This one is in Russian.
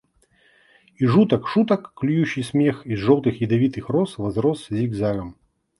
И жуток шуток клюющий смех — из желтых ядовитых роз возрос зигзагом.